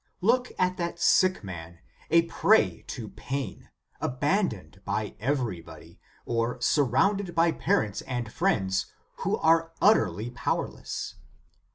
Look at that sick man, a prey to pain, abandoned by everybody, or sur rounded by parents and friends who are utterly powerless.